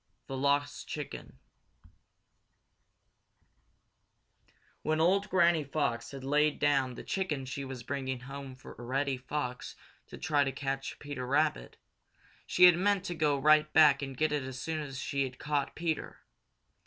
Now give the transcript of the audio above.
The Lost Chicken When old Granny Fox had laid down the chicken she was bringing home to Reddy Fox to try to catch Peter Rabbit, she had meant to go right back and get it as soon as she had caught Peter.